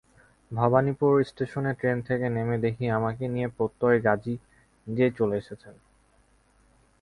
ভবানীপুর স্টেশনে ট্রেন থেকে নেমে দেখি, আমাকে নিতে প্রত্যয় গাজি নিজেই চলে এসেছেন।